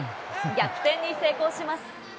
逆転に成功します。